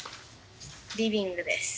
リビングです。